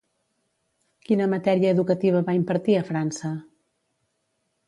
Quina matèria educativa va impartir a França?